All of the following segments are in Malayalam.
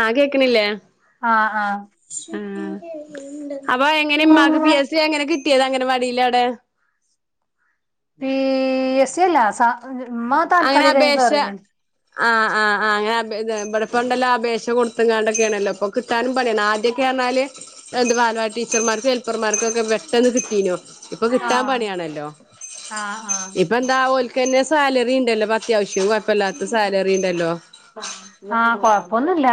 ആഹ് കേക്കണില്ലേ ആഹ് ആഹ് ആ അപ്പൊ എങ്ങനെ ഉമ്മാക്ക് പി എസ് സി അങ്ങനെ കിട്ടിയത് അങ്ങനെ മടിയില്ലാതെ പി എസ് സി അല്ല സ ഉമ്മ അങ്ങനെ താൽക്കാലികായി അപേക്ഷ കേറീനി ആഹ് ആഹ് ആ അങ്ങനെ അ ഇവിടെപ്പണ്ടല്ലോ അപേക്ഷ കൊടുത്തിങ്ങാണ്ടൊക്കെയാണല്ലോ അപ്പൊ കിട്ടാനും പണിയാണ് ആദ്യമൊക്കെന്ന് പറഞ്ഞാല് എന്ത് ബാലവാടി ടീച്ചർമാർക്കും ഹെൽപ്പർമാർക്കും ഒക്കെ പെട്ടെന്ന് കിട്ടീനോ ഇപ്പൊ കിട്ടാൻ ആഹ് പണിയാണല്ലോ ആഹ് ആഹ് ഇപ്പന്താ ഓല്ക്കന്നെ സാലറി യില്ലെ അത്യാവശ്യം കൊഴപ്പല്ലാത്ത സാലറിണ്ടല്ലോ ആഹ്കൊഴപ്പൊന്നുല്ല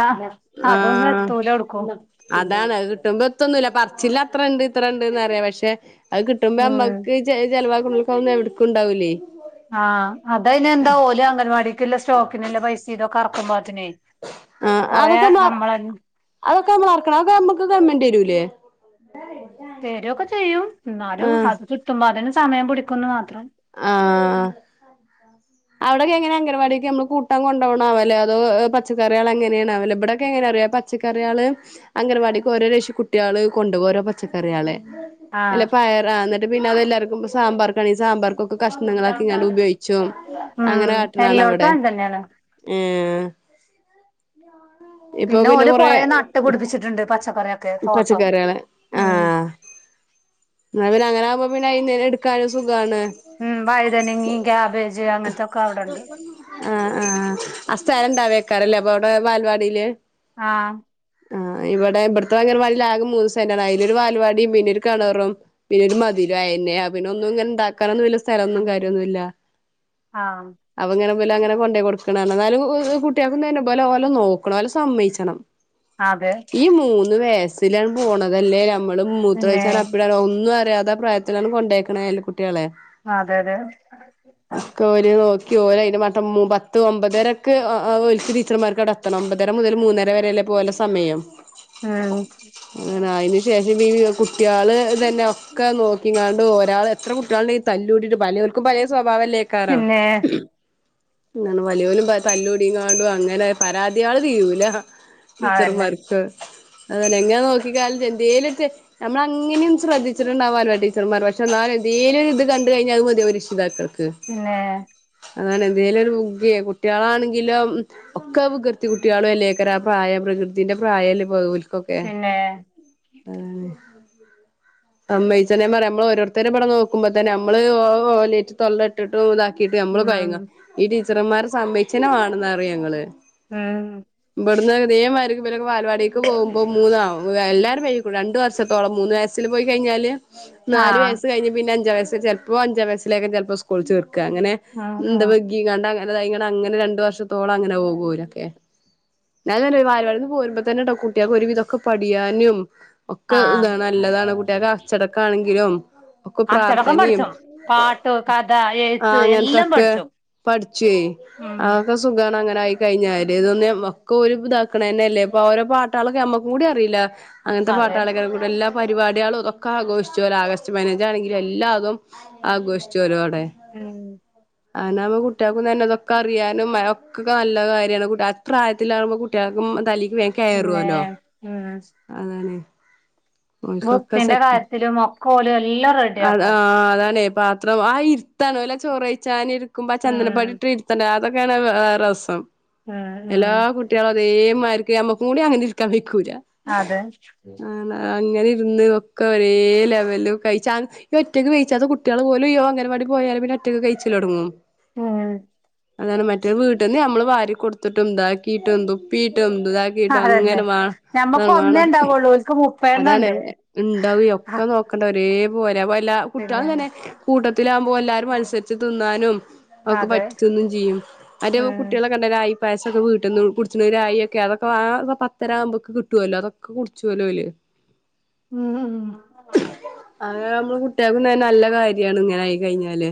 അതൊന്നു ആഹ് എത്തൂല ഏടുക്കും പിന്നെ ഇത്രണ്ട് ഇത്രണ്ട് ന്ന്പറയാ പക്ഷെ അത് കിട്ടുമ്പോ ഉം നമ്മക്ക് ചെ ചെലവാ ങ്ങക്കാവൊന്നും എവിടക്കുണ്ടാവില്ലേ ആഹ് അതയ്നന്താ ഓല് അംഗൻവാടിക്ക്ല്ലെ സ്റ്റോക്കിന്ല്ല പൈസിം ഇതൊക്കെ എറക്കുമ്പോത്തിനെ ആഹ് കൊറെ അതൊക്കെ മാ നമ്മള അതൊക്കെ ഞമ്മള് അറ്ക്കണം നമ്മക്ക് ഗവണ്മെന്റെരൂല്ലേ തെരൊക്കെ ചെയ്യും എന്നാലും ആഹ് അത് കിട്ടുമ്പോത്തിന് സമയം പിടിക്കുംന്ന് മാത്രം ആഹ് ആടൊക്കെങ്ങനെ അഗൻവാടിക്ക് നമ്മള് കുട്ടാന് കൊണ്ടോണവോല്ലെ അതോ പച്ചക്കറിയാള് എങ്ങനെണാവൊല്ലെ ഇവിടെക്കെ എങ്ങനെറിയൊ പ പച്ചക്കറിയാള് അംഗൻവാടിക്ക് ഓരോരേഷം കുട്ട്യാള് കൊണ്ടോവാ ഓരോ പച്ചക്കറിയാള് അല്ല ആഹ് പയറാ ആ ന്നിട്ട് പിന്നെ അതെല്ലാർക്കും സാമ്പാറെക്കാനെ സാമ്പാർ ഒക്കെ കഷ്ണങ്ങളക്കിക്കാണ്ട് ഉപയോഗിച്ചും അങ്ങനെ ഉം കാട്ട്ണ എല്ലോട്ത്തും കാണവിടെ അങ്ങൻതന്നേണ് ഏ പിന്നെ ഓല് കുറെ നട്ട് പിടിപ്പിച്ചിട്ടുണ്ട് പച്ചക്കറി ഉം പച്ചക്കറിയാള് ആഹ് ന്നാ പിന്നങ്ങ നാവുമ്പോ പിന്നെ അയിന്നെ എടുക്കാനു സുഖാണ് ഉം വഴുതനങ്ങയും ക്യാബേജ് അങ്ങനത്തൊക്കെ അവിടെണ്ട് ആ ആ ആ സ്ഥലണ്ടാവേ ക്കാരല്ലെ അപ്പൊ അവിടെ ബാലവാടീല് ആ ആ ഇവിടെ ഇബ ത്തെ അഗലാവാടീല് ആക്കെ മൂന്ന് സെൻറ്റാണ് അയിലൊരു വാലവാടിം പിന്നെ ഒരു കെണറും പിന്നെ മതിലും അയന്നെ പിന്നെ ഒന്നു ഇങ്ങനെ ഇണ്ടാക്കാനൊന്നും വല്ല്യ സ്ഥലൊന്നും കാര്യൊന്നുല്ല ആഹ് അപ്പങ്ങനെ ഇവലങ്ങനെ കൊണ്ടോയ് കൊടുക്ക്നാന്ന് എന്നാലും ഉം ഉം കുട്ടികൾക്കും തന്നെ ഇബലേ ഓലോ നോക്കുന്നോലെ സമ്മയിച്ചണം അതെ ഈ മൂന്ന് വഴസ്സിലാണ് പോണതല്ലേ നമ്മള് പിന്നെ മൂത്രൊയ്ച്ചാലൊ അപ്പിടാള്ളൊ ഒന്നും അ യതാ പ്രായത്തിലാണ്ട് കൊണ്ടേക്ക്ണെല്ലേ കു ട്ട്യളെ അതെ അതെ ഒക്കെ ഓല് നോക്കി ഓലയിന്റെ മട്ടം മ് പത്ത് ഒമ്പ രക്ക് ഓ ഓ ടീച്ചർമാർക്ക് അവിടെ എത്തണം ഒമ്പതര മുതൽ മൂന്നര വരെയല്ലേപ്പ ഓലെ സമയം ആ അയിന് ശേഷം ഈ കുട്ട്യാള് തന്നെ ഒക്കെ നോക്കിക്കാണ്ട് ഒരാളെ എത്ര കുട്ട്യാള്ണ്ടെയി തല്ലു കൂട്ടിട്ട് പലൊല്ക്കും പലെ സ്വഭാവല്ലേക്കാരം പിന്നെ അങ്ങനെ വലിയോലും ത തല്ലൂടിക്കാണ്ടുങ്ങനെ പരാതിയാള് തീരൂല ടീച്ചർ അതന്നെ മാർക്ക്‌ അതന്നെ എങ്ങനെ നോക്കിക്കാല് എന്തേലൊരു തെ നമ്മളങ്ങനി ശ്രദ്ധിച്ചിട്ടുണ്ടാവാലൊ ടീച്ചർമാര് പക്ഷെ എന്നാലും എന്തേലും ഒരു ഇത് കണ്ട് കഴിഞ്ഞാ അത് മതിയാവും രക്ഷിതാക്കള് പിന്നെ അതാണ് എന്തേലും ഒരു വിക്കെ കുട്ട്യാളാണെങ്കിലോ ഉം ഒക്കെ വികൃതി കുട്ട്യാളു അല്ലേക്കാരം ആ പ്രായം പ്ര വികൃതിന്റെ പ്രായല്ലേ പിന്നെ അതാണെ സമ്മയിച്ചനം ഞാൻ പറയാ നമ്മള് ഓരോരുത്തരെബടെ നോക്ക്പ്പൊ തന്നെ നമ്മള് ഓലേറ്റ് തൊള്ളട്ടിട്ടും ഇതാ ക്കിട്ട് നമ്മള് ഉം കൊയങ്ങ ഈ ടീച്ചർന്മാരെ സമ്മയിച്ചെന്നെവാണന്ന് പറയെ ഞങ്ങള് ഉം ഇബട്ന്ന് ഇതേമാരിക്ക് ഇവരൊക്കെ ബാലവാടി ടിക്ക് പോവുമ്പോ മുന്നാവും എല്ലാരും വൈകിക്ക്ണു രണ്ടു വർഷത്തോളം മൂന്ന് വയസ്സിൽ പോയി കഴിഞ്ഞാല് നാല് ആഹ് വയസ് കഴിഞ്ഞ് പിന്നെ അഞ്ചാവയസ്സ് ചെലപ്പോ അഞ്ച വയസ്സിലേക്കു ചെലപ്പൊ സ്കൂളില് ചേ ക്ക അങ്ങനെ ഉം ഉം എന്താ വൈക്കിക്കാണ്ട് അങ്ങനെതായ് ഇങ്ങനെ അങ്ങനെ രണ്ട് വർഷത്തോളം അങ്ങനെ പോകും ഓലൊക്കെ ഞാന് [unintelligible] ബാലവാടീന്ന് പോരുമ്പോ തന്നെട്ടോ കുട്ട്യാക്ക് ഒരു വിധൊക്കെ പടിയാനും ഒക്കെ ആഹ് ഇതാണ് നല്ലതാണ് കുട്ടിക് അച്ചടക്ക ആണെങ്കിലും ഒക്കെ അച്ചടക്കം പ്രാർത്ഥനയും പഠിച്ചോ പാട്ട് കഥ ആ എഴുത്ത് എല്ലാം അങ്ങനത്തൊക്കെ പഠിച്ചോ പഠിച്ചേ ഉം അതൊക്കെ സുഖണ് അ ങ്ങനെ ായി കഴിഞ്ഞാല് ഇതൊന്നും ഒക്ക ഓല് ഇതാക് നെനെല്ലേ പ്പഓരോ പാട്ടാളൊക്കെ അമ്മക്കും കൂടി അറിയില്ല അങ്ങനത്തെ അതെ പാട്ടാളെക്കാരൻ കൂടെ എല്ലാം പരിപാടിളും തൊക്കെ ആഘോഷിചോലോ ആഗസ്റ്റ് പതിനഞ്ചാണെങ്കിലും എല്ലാതും ആഘോഷിചോലോ ഉം അങ്ങാവുമ്പ കുട്ടികൾക്കും തന്നെ തൊക്കെ അറിയാനും ഒക്കൊക്കെ നല്ല കാര്യമാണ് ആ പ്രായത്തിലാകുമ്പോ കുട്ടികൾക്കും തലി ക് പിന്നെ വേക്കറൂല്ലോ ഉം അതാണ് ഓൽകൊക്കെ ബുക്കിന്റെ സെറ്റ് കാര്യത്തിലും ഒക്കെ ഓല് എല്ലാം അതാ റെഡിയാക്കും അ ആ അതാണ് പാത്രം ആ ഇരുത്തണ ചോറഴച്ചാൻ ഇരിക്കുമ്പോ ആ ഉം ചൻദനപ്പടി ഇട്ട് ഇര് ത്തൽ ക്കെയാണ് വേറെ രസം ഉം എല്ലാ ഉം കുട്ടട്ടളും അതേമാർക്ക് നമ്മക്കുടി അങ്ങനെ ഇരിക്കാൻ വെയ്ക്കൂല അതെ ആണ് അങ്ങനെ ഇരുന്ന് ഒക്കെ ഒരേ ലെവല് കഴിച്ച ഒറ്റയ്ക്ക് കയ്ച്ചാത്ത കുട്ട്യള് പോലും ഇ അങ്ങൻവാടി പോയാല് പിന്നെ ഒറ്റക്ക് കയ്ച്ചിലൊടങ്ങും ഉം അതാണ് മറ്റേരു വീട്ടിന്ന് നമ്മള് വാരി കൊടുത്തിട്ടും താക്കിട്ടും തു പ്പിട്ടും ഇതാക്കിട്ടും അതന്നെ അങ്ങനെ വേ അ ഞമ്മക്ക് ഒന്നേ വേണം ഉണ്ടാവുള്ളൂ ഓൽക്ക് മുപ്പെണ്ണം അതാണ് ഉണ്ട് ഉണ്ടാവ ഒക്കെ നോക്കണ്ട ഒരേ പോല എല്ല പിന്നെ കുട്ടികളും തന്നെ കൂട്ടത്തി ത്തിലാമ്പോ എല്ലാരും മത്സരിച്ച് തിന്നാനും അവക് അതെ പറ്റന്നും ഇല്ലേയ് അറ്റെ ഉം കുട്ടികളെ കണ്ടെരെ ആയി പായസൊക്കെ വീട്ടിന്ന് കുടിച്ണ് ഒരായൊക്കെ അതൊക്കെ ആ പത്തര ആമ്പോക്ക് കിട്ടോല്ലോ അതൊക്കെ കുടിച്ചോല്ലോ ഓല് ഉം ഉം നമ്മൾ കുട്ടികൾക്കും തെന്നെ നല്ല കാര്യാണ് ഇങ്ങനെ ആയി കഴിഞ്ഞാല്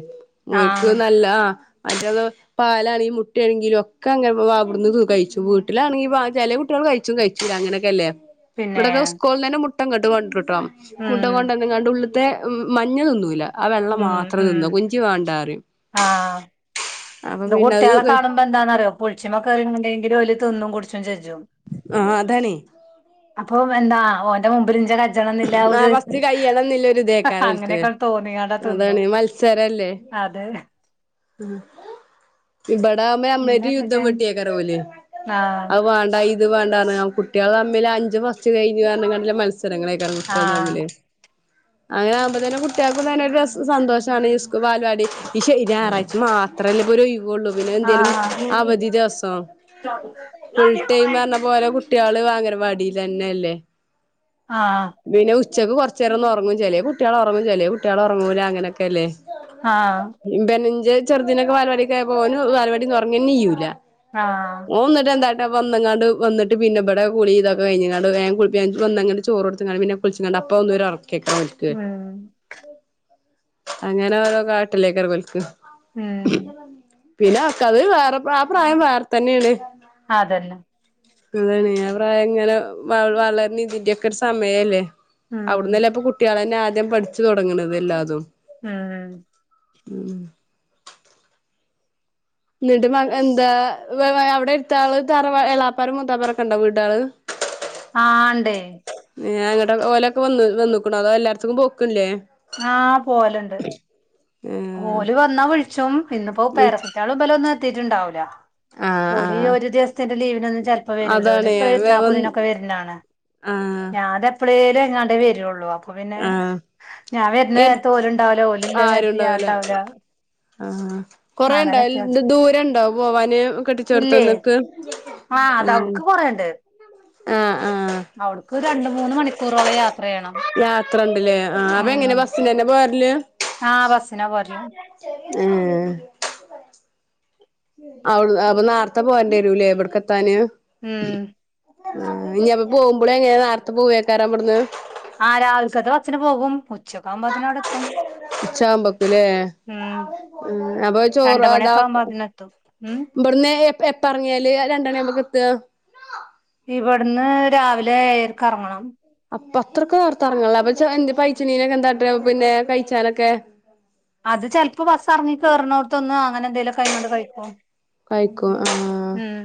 ഓൽക്ക് ആഹ് നല്ലാ മറ്റേതോ പാലാണെങ്കും മുട്ടണെങ്കിലും ഒക്കെ അങ്ങനെ അവട്ന്ന് കഴിച്ചും വീട്ടിലാണെങ്കിൽ ചെല കുട്ടിള് കഴിച്ചു കയ്ച്ച്ലാ അങ്ങനെക്കല്ലേ പിന്നെ മുട്ട ങ്ങട്ട് കൊണ്ടരുട്ടോ മുട്ട ഉം കൊണ്ടന്നങ്ങാണ്ട് ഉള്ളത്തെ മഞ്ഞ തിന്നുല ആ വെള്ള ഉം മാത്രം ഉം തിന്നും കുഞ്ചി വേണ്ടറിയും കുട്ട്യാളെ കാണുമ്പന്താന്നറയോ പുൾച്ചിമ്മെ കേറികാണ്ടെകിലും ഓലത് തിന്നും കുട്ച്ചും ചെ ആ അതാണേ. അപ്പൊ എന്താ ഓന്റെ മുമ്പിൽ ഇഞ്ച ക ല്ല ആ ഒര് ഫസ്റ്റ് അങ്ങനെക്ക തോന്നിയാണ്ടാ അതാണെ മത്സരല്ലേ. പിന്നെ നമ്മളേറ്റ് യുദ്ധം എന്തൊക്കെ വെട്ടിയേകാരം ഓല് ആഹ് അവാണ്ട ഇത് വേണ്ടാന്ന് കുട്ട്യാളം മ്മ്ലഞ്ച് ഫസ്റ്റ് കയ്ഞൂർന്ന് പറഞ്ഞെങാണ്ടൊള്ള മത്സരങ്ങളായികാരം ക്ക ആഹ് തമ്മില് അങ്ങനെ ആവുമ്പോതേന്നും കുട്ട്യാൾകും തന്നെ ഒര് ഡ്രെസ്സും സന്തോഷാണ് ഈ സ്കൂ വാച്ചാടി ഈ ശെനി ഞായറാഴ്ച മാത്ര അത്രല്ല ഒരു ഒയ് വൊള്ളൂ പിന്നെ ഏന്തേലും ആഹ് അവധി ദിവസം. ഫുൾ ടൈം പറഞ്ഞ പോലെ കുട്ട്യാള് അംഗനവാടിലന്നല്ലെ പിന്നെ ഉച്ചക്ക് കൊർചേരൊം ള്ളൊ ങ്ങും ചെ കുട്ട്യാള് ഒറങ്ങും ചല്ലേ കുട്ട്യാള് ഒറങ്ങൂല അങ്ങനൊക്കല്ലേ. ആ ചെറുദിനൊക്കെ വാലവാടിക്ക് പോയപ്പം ഓന് വാലവാടിന്ന് ഒറങ്ങേന്നെ ചെയ്യൂല ആഹ് ഓൻന്നട്ട് എന്താ വന്നങ്ങണ്ട് വന്നിട്ട് പിന്നെപടെ കുളിതക്കെ കഴിഞ്ങ്ങാണ്ട് വേം കുളിച്ചി ഒന്നങ് ചോറ് കൊടുത്തങ്ങാണ്ട് പിന്നെ കുളിച്ചങ്ങാണ്ട് അപ്പൊ ഒന്നുരാ കേക്നോൽക്ക് ഉം അങ്ങനെ ഓരോ കാട്ടിലേക്കരം ഓൽക്ക് ഉം പിന്നാക്കത് വേറെ പ്രാ ആ പ്രായം വേർന്നേണ് അതന്നെ അതാണ് ഞാൻ പ്രായം ഇങ്ങനെ വളര്ണ ഇതിന്റെയ ഒക്കെ ഒരു സമയല്ലേ ആ കുട്ടികളന്നെ ആദ്യം പഠിച്ചു തുടങ്ങണുന്നത് എല്ലാതും ഉം ഉം ന്നിട്ട് പോ എന്താ അവിടെ എടുത്ത ആള് തറ എളാപ്പാരും മൂത്താപ്പര്ക്കെ ഉണ്ടാ വീടാള് ആ ണ്ട് ഏ അങ്ങട്ട ഓലൊക്കെ വന്ന് വന്നക്ക്‌ണോ അതോ എല്ലാർത്ക്കും പോക്കില്ലേ ആഹ് പോവല്ണ്ട് ഏ ഓല് വന്നാ വിള് ച്ചും ഇന്ന്പ്പോ വിളിച്ച പേരക്കുട്ടിളും ബലൊന്നും എത്തിയിട്ടുണ്ടാവുല ആഹ് ഓല് ഈ ആഹ് ഒരു ദിവസത്തിന്റെ ലീവിന് ചെലപ്പോ വരുലോല് അതാണ് വ പെര്ന്നാക്ക് വന്ന് തിനൊക്കെ വരുന്നാണ് ആഹ് ഞാന് എപ്പഴെല് എങ്ങാണ്ടേ വരുള്ളു അപ്പൊ പിന്നെ ആഹ് ഞാൻ വരുന്ന നേരത്തെ ഓലുണ്ടാവൂല ഓലില്ലതെ ണ്ടാവില്ല ആഹ കൊറെ ഉണ്ടാവ അങ്ങനെയൊക്കെ ദു ദൂരണ്ടാവും പോവാന് കെട്ടിച്ചോർത്തന്നൊക്കെ ആഹ അത അടുക്ക് കൊറേണ്ട് ആഹ അവവിടുക്ക് രണ്ട മൂന്ന് മണിക്കൂറോളം യാത്ര ചെയ്യണം ല്ലേ ആ അപ്പൊ എങ്ങനെ ഉം ബസ്സി തന്നെ പോയറല് ആ ബസ്സിനാ പോരല് ആഹ അവി അപ്പൊ നാരത്തെ പോവണ്ടരൂലേ എവിടക്ക എത്താന് ഉം ആ ഇനിപ്പൊ പോകുമ്പോളേ എങ്ങനെ നേരത്തെ പോവേക്കാറ അവിടുന്ന് ആ രാവിലക്കത്ത് ബസ്സിന്‌ പോകും ഉച്ചക്ക ആകുമ്പോ തിന്ന് വടെ എത്തും ഉച്ചാമ്പക്കല്ലേ ഉം ഉം അപ്പൊ രണ്ട് ചോറോ അതാ മണിയൊക്കെ ആവുമ്പോ അതിനെത്തും ഉം ഇവിടുന്ന് എപ്പ എപറെങ്ങിയാല് രണ്ടെണി ആവുമ്പൊക് എത്തുക ഇവിടുന്ന് രാവിലെഎയരക് റങ്ങണം അപ്പൊ അത്രക്കെർത്തെറങ്ങല്ല അപ്പ എന്ത് പൈച്ചനീനൊക്കെ എന്തട പിന്നെ കഴിച്ചാലൊക്കെ അത് ചിലപ്പോ ബസ് ഇറങ്ങി കേറുന്നോട്ത്ത്‌ന്ന് അങ്ങനെ എന്തേലും കൈങ്ങണ്ട് കഴിക്കും കയിക്കോ ആഹ ഉം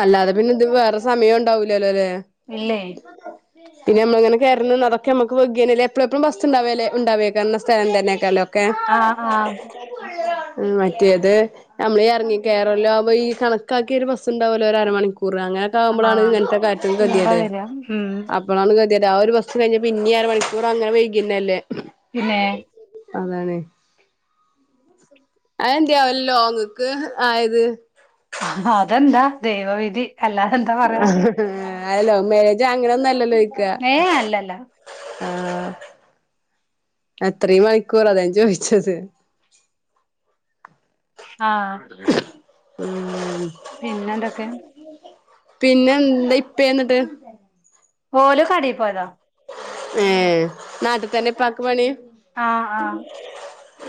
അല്ലാതെ പിന്നെ ഇത് വേറെ സമയം ഉണ്ടാവൂലല്ലോ ലെ ഇല്ലേ പിന്നെ നമ്മങ്ങനെ കെയാറുന്നു അതൊക്കെ നമുക്ക് വൈഗന്നെലെ എപ്പേഴും എപ്പഴുംബസ്ണ്ടാവേലെ ഉണ്ടാവേകുന്നസ്ഥലം തന്നെക്കാല്ലോ ആഹ് ആഹ് ഉം മറ്റേത് നമ്മളെ ഇറങ്ങി കേയറല്ല ആുമ്പോ ഈ കണക്കാക്കിയ ഒരുബസ് ണ്ടാവലോ ഒരു അരമണിക്കൂർ അങ്ങനെയൊക്കെ ആഹ് ആവുമ്പോഴാണ് ആഹ് ഇങ്ങനത്തെ കാര്യങ്ങൾ കീറ കതിയത് വര ഉം അപ്പോഴാണ് യെഥാ ഒരു ബസ് കഴിഞ്ഞ പിന്ന അര മണിക്കൂർ അങ്ങനെ വൈകിക്കുന്നല്ലേ പിന്നെ അതാണ് അ എന്ന്ത്യാവല്ല ലോങ്ക്ക് ആയത് ആ അതെന്താ ദൈവവിധി അല്ലാതെന്താ പറയാ ആല്ലോ മേരെജ് അങ്ങനൊന്ന അല്ലോ ഏ അല്ലല്ല ആഹ എത്രയും മണിക്കൂർ അതാൻ ചോദിച്ചത് ആഹ ഉം പിന്നെന്തൊക്കെ പിന്നെ എന്താ ഇപ്പ എന്നിട്ട് പോലും കടി പോയതാ ഏ നാട്ടിൽ തന്നെ പാക്ക് മണി ആഹ് ആഹ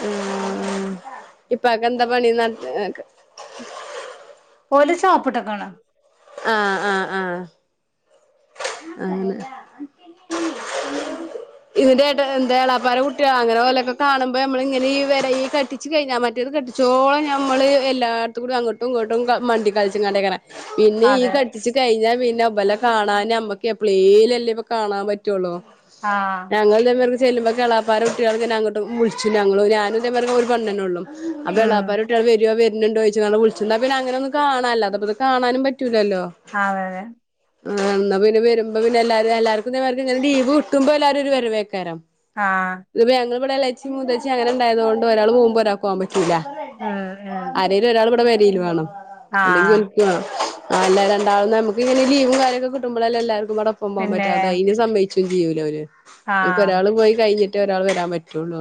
ഉ ഇപ്പൊക്കെ എന്താ പണി നാട്ടി സാപ്പിട്ട കാണ ആഹ ആഹ ആഹ അങ്ങനെ ഇതിന്റെ എടന്റെ ഏളാപ്പാര കുട്ടിയാ അങ്ങനെ ഓലൊക്കെ കാണുമ്പോ നമ്മള ഇങ്ങനെ ഈ വില ഈ കെട്ടിച്ച് കഴിഞ്ഞാ മറ്റേതു അടിച്ചോളം ഞമ്മള് എല്ലായിടത്തും കൂടി അങ്ങോട്ടും ഇങ്ങോട്ടും മണ്ടി കളിച്ചും കണ്ടക്കനെ പിന്നെ ഈ അതെ കെട്ടിച്ചു കഴിഞ്ഞാ പിന്നെ പെല കാണാന് നമ്മക്ക് എപ്ളീലല്ലേ ഇപ്പൊ കാണാൻ പറ്റുള്ളോ ആഹ് ഞങ്ങ ന്നട്ട് പ്പം ചെല്ലുമ്പ എളാപ്പാര കുട്ടികൾക്കങ്ങെ അങ്ങോട്ട് വിളിച്ചു ഞങ്ങൾ ഞാനും ഒരു പെണ്ണ്എന്നൊള്ളു അപ്പ ഉം എളാപ്പാരെ കുട്ടികൾ വരോ വരുന്നുണ്ടോ ചോയ്ച്ച്കാണ്ട് വിളിച്ചും പിന്ന അങ്ങനെ ഒന്നു കാണാലോ അല്ലാതപത് കാണാനും പറ്റു റ്റൂല്ലല്ലോ അതെ അതെ ആ എന്നാ പിന്നെ വേ വരുമ്പോ പിന്നെ എല്ലാരും എല്ലാർക്കും തേ മാതിരിക്ക് ങ്ങനെ ലീവ് കിട്ടുമ്പോ എല്ലാരും ഒരു വരവെയ്ക്കാരം ആഹ ഇവിടെ ഇളച്ചി മൂത്തച്ചി അങ്ങനെ ഉണ്ടായത് കൊണ്ട് ഒരാൾ പോവുമ്പോ ഒരാൾക്ക് പോവാൻ പറ്റൂല ഉം ഉം ആരേലു ഒരാൾ ഇവിടെ വേ വേണം ആഹ് അല്ലെങ്കിൽ [unintelligible] ആ അല്ല രണ്ടാളും നമുക്ക് ഇങ്ങനെ ലീവും കാര്യയൊക്കെ കട്ടുമ്പൊളല്ലേ എല്ലാർക്കും കൂടെ ഒപ്പം പോവാൻ പിന്നെ പറ്റാ ഇത് അയിന്‌ സ ചെയ്യൂല ഓര് ഓൽക്ക ആഹ് ഒരാൾ പോയി കഴിഞ്ഞിട്ടേ ഒരാൾ വരാൻ പറ്റുള്ളോ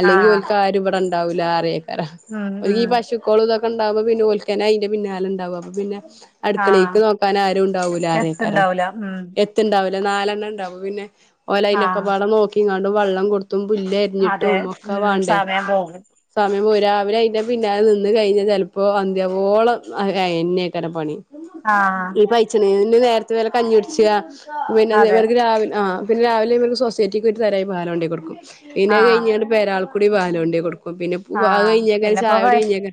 അല്ലെങ്കിൽ ആഹ് ഓൽക്കാരും ഇവിടെ ഉണ്ടാവൂല്ല അറിയെയ്ക്കാരം ഉം ഓര് ഉം ഈ പശുക്കോൾതൊക്കെ ഒ ഉണ്ടാവുമോ പിന്നെൽക്കന അതിന്റെ പിന്നാലെ ഉണ്ടാവും അപ്പം പിന്നെ ആഹ് അടുക്കളക്ക് നോക്കാൻ ആരും ഉണ്ടാവൂല അതയ്ക്കാരം എത്ത്ണ്ടാവൂല ഉം എത്തുണ്ടാവ നാലെണ്ണം ഉണ്ടാവും പിന്നെ ഓലയിനെ ആഹ് ഒക്കൊപാടെ നോക്കിങ്ങാണ്ട്‌ വെള്ളം കൊടുത്ത ത്തും അതെ പുല്ലരിഞ്ഞിട്ടും ഒക്കെ ഉം വേണ്ടേ സമയം പോകും സമയം രാവിലെ അയിന്റെ പിന്നാല് നിന്ന് കഴിഞ്ഞ ചിലപ്പോ അന്ത്യാവോളം ആയെന്നെയ്ക്കാരം പണി ആഹ് ഈ പൈച്ച്ണെയ്ന്‌ ന്നേരത്ത്നേര കഞ്ഞി കുടിച്ച്യാ അതെ പിന്നെർക്ക് രാവിലെ ആഹ് പിന്നെ രാവിലെ ഇവർ സൊസൈറ്റിക്ക് ഒരു തരംപാൽ കൊണ്ടു കൊടുക്കും പിന്നെ ആഹ് കഴിഞ്ഞട്ട് പേരാൽകൂടി പാൽ കൊണ്ടോയി കൊടുക്കും ഓ പിന്നെ അ ആഹ് കഴിഞ്ഞേക്കൻ പിന്നെപ്പോ ചായോടെ കഴിഞ്ഞേക്കെ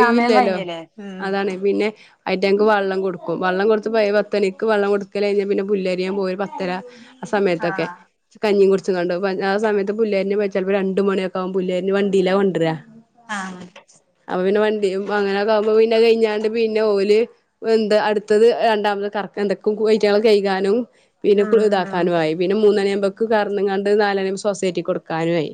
സമയം കഴിഞ്ഞില്ലേ ഉം അതാണ് പിന്നെ അയിട്ടങ്ങൾക്ക് വെള്ളം കൊടുക്കും വള്ളം കൊടുപ്പോ പത്തണിക്ക് വള്ളം കൊടു കഴിഞ്ഞ് പിന്നെ പുല്ലരിയാൻ പോയ ഒരു പത്തര ആ സമയത്തൊക്കെ ആഹ് കഞ്ഞി കു കണ്ട ആ സമയത്ത് പുല്ലേരിഞ്ഞു വച്ചപ്പോ രണ്ട് മണിയക്കെ ആവും പുല്ലരിഞ്ഞ വണ്ടിയിലാ കൊണ്ടുവരാ ആഹ അങ്ങനെയൊക്കെ ആകുമ്പോ പിന്നെ കഴിഞ്ഞാണ്ട് പിന്നെ ഓല് എന്താ അടുത്തത് രണ്ടാമത് കറക്ക എന്തൊക്ക കുട്ടികൾ കഴികാനും പിന്നെ ഉം ഉം ഇതാക്കാനും ആയി പിന്നെ മൂന്ന കർന്ന്കാണ്ട് നാലണി സൊസൈറ്റി കൊടുക്കാനും ആയി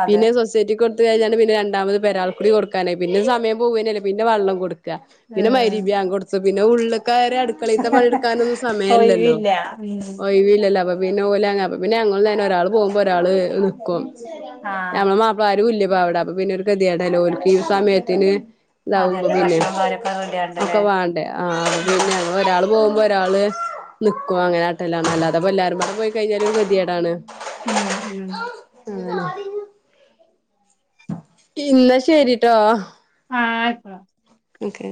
അതെ പിന്നെ സൊസൈറ്റി കൊ അ കഴിഞ്ഞ പിന്നെ രണ്ടാമത് പരാൾക്ക കുടി കൊടുക്കാനായി പിന്നെ സമയം പോവേനേ പിന്നെ വെള്ളം കൊടുക്കും പിന്നെ ഉം മഗ്‌രിബാങ്ക് കൊടുത്ത് പിന്നെ ഉള്ള് കയറി അടുക്കളയിൽത്തെ പണിയെടുക്കാനൊ സ സമയല്ലല്ലോ ഒഴിവില്ല ഉം ഒഴിവില്ലല്ലോ അപ്പ പിന്നെ ഓല പിന്നെ അഞന്ന് തന്നെ ഒരാൾ പോകുമ്പോ ഒരാള് നിക്കും ആഹ് ഞമ്മളെ മാപ്പളാരും ഇല്ല പ അവിട അപ്പ പിന്നെ ഒരു കതിയടല്ലോൽക്ക് ഈ സമയത്തിന് ഇതാവുമ്പോ അതന്നെ പിന്നെ ഭക്ഷണം കാര്യൊക്കെ ഒക്കെ റെഡിയാണ്ടല്ലേ വേണ്ടേ ആ ഉം പിന്നെ ഒരാൾ പോവുമ്പ ഒരാള് നിക്കുവ അങ്ങനെ ആട്ടല അല്ലാതെ എല്ലാവാരും കൂടെ പോയി കഴിഞ്ഞാല് ഗതിയേടാണ് ഉം ഉം ഉ ഇന്ന ശരിട്ടോ ആഹ ആയിക്ക ഓക്കെ